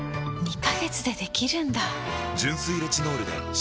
２カ月でできるんだ！